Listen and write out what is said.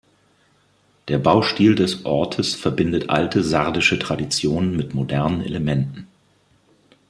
Der Baustil des Ortes verbindet alte sardische Traditionen mit modernen Elementen.